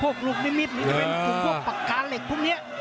พวกลูกลูกลิ้นมีทหรือพวกปากกาเล็กพวกนี้